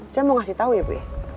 saya mau ngasih tau ya bu